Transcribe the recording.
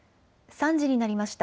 ３時になりました。